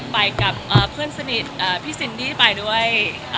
ไปกับเพื่อนสนิทพี่ซินดี้ไปด้วย